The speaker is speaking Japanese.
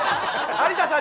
和田さん。